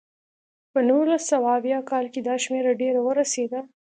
په نولس سوه اویا کال کې دا شمېره ډېره ورسېده.